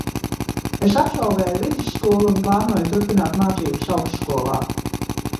Es absolvēju vidusskolu un plānoju turpināt mācības augstskolā.